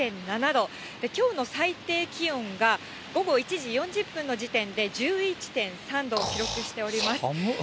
きょうの最低気温が、午後１時４０分の時点で１１．３度を記録しております。